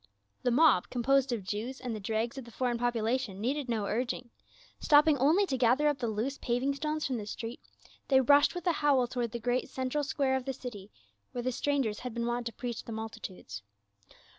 The mob, composed of Jews and the dregs of the foreign population, needed no urging ; stopping only to gather up the loose paving stones from the street, they rushed with a howl toward the great central square of the city where the strangers had been wont to preach to the multitudes.